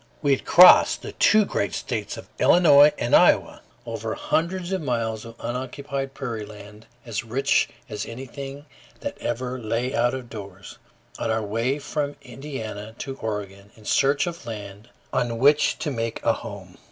We had crossed the two great states of Illinois and Iowa, over hundreds of miles of unoccupied prairie land as rich as anything that ever "lay out of doors," on our way from Indiana to Oregon in search of land on which to make a home.